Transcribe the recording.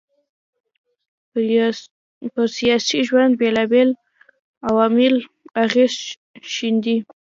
پر سياسي ژوند بېلابېل عوامل اغېز ښېندي